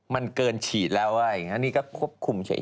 มันเกินฉีดแล้วอ่ะอีกอันนี้ก็ควบคุมเฉย